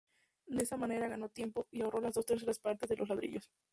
De esa manera ganó tiempo y ahorró las dos terceras partes de los ladrillos.